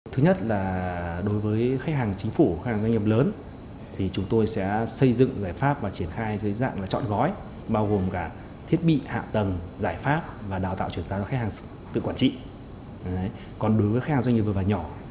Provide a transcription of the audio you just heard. còn đối với khách hàng doanh nghiệp vừa và nhỏ